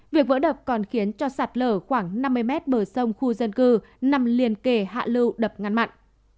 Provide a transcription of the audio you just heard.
việc vỡ đập còn khiến cho sạt lở khoảng năm mươi mét bờ sông khu dân cư nằm liền kề hạ lưu đập ngăn mặn